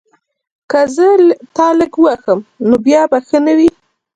که زه تا لږ ووهم نو بیا به ښه نه وي